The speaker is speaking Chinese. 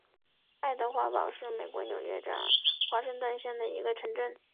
爱德华堡是美国纽约州华盛顿县的一个城镇。